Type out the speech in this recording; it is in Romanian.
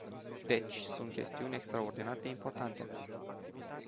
Deci, sunt chestiuni extraordinar de importante.